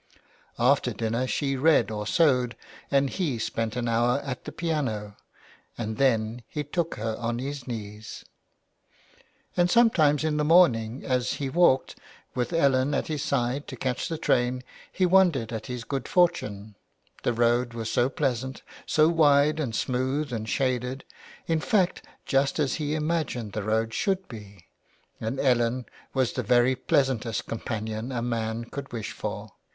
After dinner she read or sewed and he spent an hour at the piano, and then he took her on his knees. And sometimes in the morning as he walked, with Ellen at his side to catch the train, he wondered at his good fortune — the road was so pleasant, so wide and smooth and shaded, in fact just as he imagined the road should be, and Ellen was the very pleasantest companion a man could wish for.